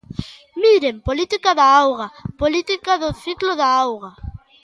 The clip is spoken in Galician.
Miren: política da auga, política do ciclo da auga.